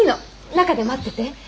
中で待ってて。